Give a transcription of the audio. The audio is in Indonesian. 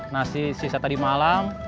nasi sisa tadi malam